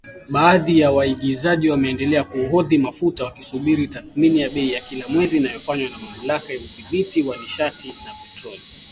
Baadhi ya waagizaji wameendelea kuhodhi mafuta, wakisubiri tathmini ya bei kila mwezi inayofanywa na Mamlaka ya Udhibiti wa Nishati na Petroli.